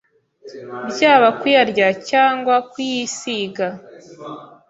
Byaba kuyarya, cyangwa kuyisiga